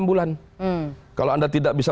enam bulan kalau anda tidak bisa